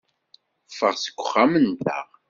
Ffeɣ seg uxxam-nteɣ.